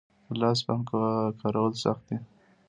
د لاس پمپ کارول سخت دي؟